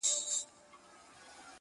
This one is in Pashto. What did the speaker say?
بوډا ویل په دې قلا کي به سازونه کېدل؛